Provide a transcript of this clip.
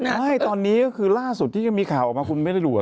ไม่ตอนนี้ก็คือล่าสุดที่ยังมีข่าวออกมาคุณไม่ได้ดูด